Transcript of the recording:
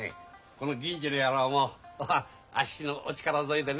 この銀次の野郎もあっしのお力添えでね